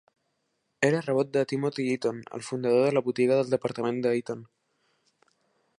Era rebot de Timothy Eaton, el fundador de la botiga del departament de Eaton.